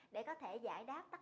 để có thể giải đáp